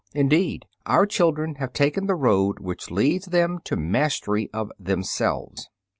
Indeed, our children have taken the road which leads them to mastery of themselves.